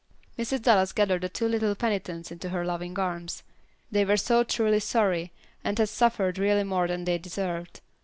Mrs. Dallas gathered the two little penitents into her loving arms. They were so truly sorry, and had suffered really more than they deserved.